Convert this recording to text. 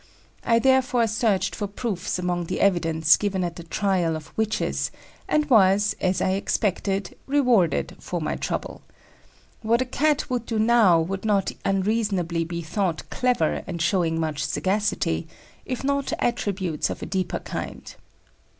I therefore searched for proofs among the evidence given at the trial of witches, and was, as I expected, rewarded for my trouble. What a Cat would do now would not unreasonably be thought clever and showing much sagacity, if not attributes of a deeper kind.